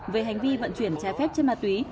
về hành vi vận chuyển trái phép trên ma túy